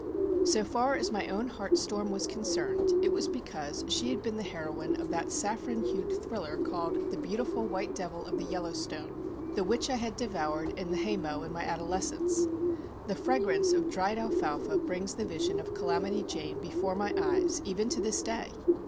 So far as my own heart storm was concerned, it was because she had been the heroine of that saffron hued thriller called "The Beautiful White Devil of the Yellowstone," the which I had devoured in the hay mow in my adolescence. The fragrance of dried alfalfa brings the vision of "Calamity Jane" before my eyes even to this day.